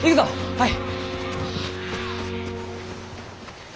はい！